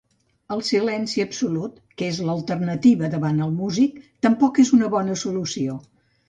El silencia absolut, que és l'alternativa davant el músic, tampoc és una bona solució.